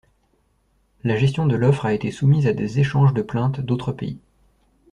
La gestion de l'offre a été soumise à des échanges de plaintes d'autres pays.